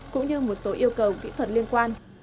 cũng như một số yêu cầu kỹ thuật liên quan